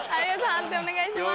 判定お願いします。